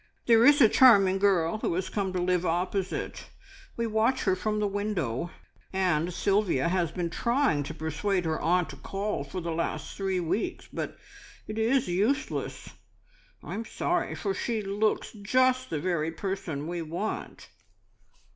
There is a charming girl who has come to live opposite. We watch her from the window, and Sylvia has been trying to persuade her aunt to call for the last three weeks; but it is useless. I'm sorry, for she looks just the very person we want."